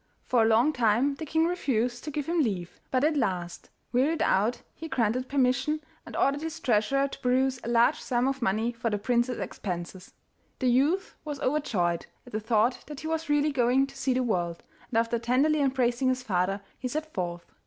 For a long time the king refused to give him leave; but at last, wearied out, he granted permission, and ordered his treasurer to produce a large sum of money for the prince's expenses. The youth was overjoyed at the thought that he was really going to see the world, and after tenderly embracing his father he set forth.